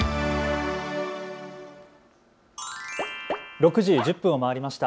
６時１０分を回りました。